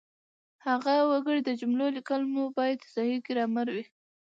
هڅه وکړئ د جملو لیکل مو باید صحیح ګرامري وي